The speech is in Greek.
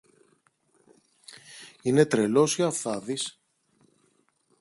Είναι τρελός ή αυθάδης;